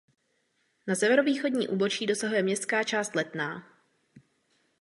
Na severovýchodní úbočí dosahuje městská část Letná.